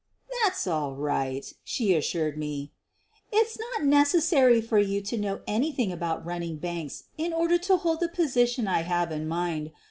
"That's all right," she reassured me. "It's not 4 necessary for you to know anything about running! banks in order to hold the position I have in mind.